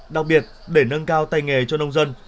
đặc biệt để nâng cao tay nghề cho nông dân